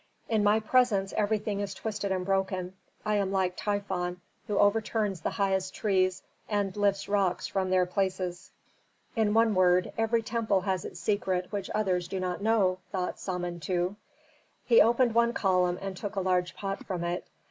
"In my presence everything is twisted and broken. I am like Typhon, who overturns the highest trees and lifts rocks from their places." "In one word, every temple has its secret which others do not know," thought Samentu. He opened one column and took a large pot from it.